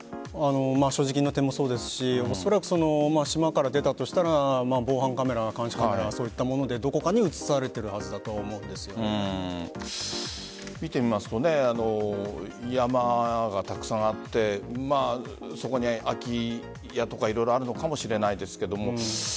所持金の点もそうですしおそらく島から出たとしたら防犯カメラ、監視カメラそういったものでどこかに映されているはずだと見てみますと山がたくさんあってそこに空き家とか色々あるのかもしれませんが。